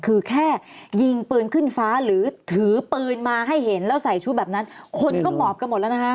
คือแค่ยิงปืนขึ้นฟ้าหรือถือปืนมาให้เห็นแล้วใส่ชุดแบบนั้นคนก็หมอบกันหมดแล้วนะคะ